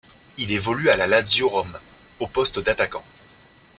Il évolue à la Lazio Rome, au poste d'attaquant.